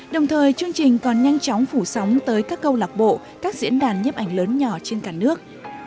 đồng thời chương trình còn nhanh chóng phủ sóng tới các câu lạc bộ các diễn đàn nhấp ảnh lớn nhỏ trên cả nước